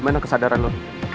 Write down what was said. dimana kesadaran lo